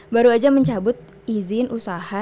baru saja mencabut izin usaha